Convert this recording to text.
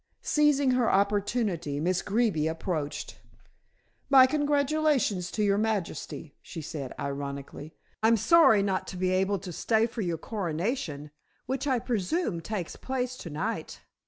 Seizing her opportunity, Miss Greeby approached. "My congratulations to your majesty," she said ironically. "I'm sorry not to be able to stay for your coronation, which I presume takes place to night.